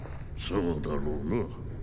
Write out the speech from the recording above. そうだろうな。